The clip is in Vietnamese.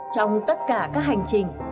trong tất cả các hành trình